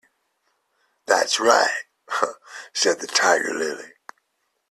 ‘That’s right!’ said the Tiger-lily.